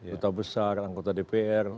kota besar anggota dpr